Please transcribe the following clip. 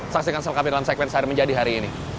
saksikan selengkapnya dalam segmen sehari menjadi hari ini